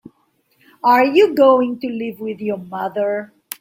Are you going to live with your mother?